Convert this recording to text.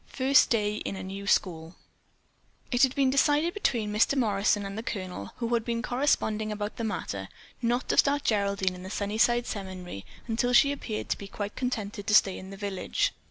FIRST DAY IN A NEW SCHOOL It had been decided between Mr. Morrison and the Colonel, who had been corresponding about the matter, not to start Geraldine in the Sunnyside Seminary until she appeared to be quite contented to stay in the village.